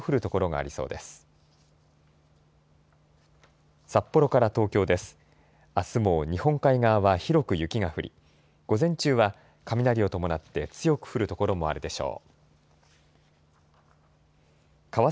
あすも日本海側は広く雪が降り午前中は雷を伴って強く降る所もあるでしょう。